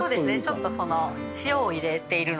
ちょっと塩を入れているので。